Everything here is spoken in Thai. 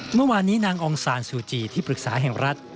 เมื่อวานนี้นางองซานซูจีที่ปรึกษาแห่งรัฐ